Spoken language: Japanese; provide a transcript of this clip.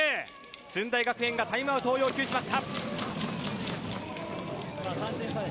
駿台学園がタイムアウトを要求しました。